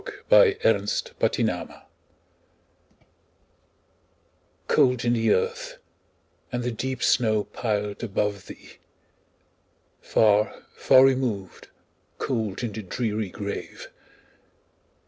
Emily Brontë Remembrance COLD in the earth, and the deep snow piled above thee! Far, far removed, cold in the dreary grave!